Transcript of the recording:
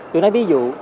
tôi nói ví dụ